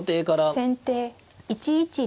先手１一竜。